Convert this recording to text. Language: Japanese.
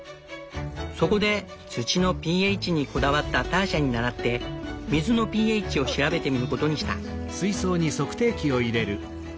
そこで土のｐＨにこだわったターシャに倣って水のｐＨを調べてみることにした。